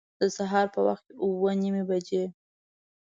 د سهار په وخت اوه نیمي بجي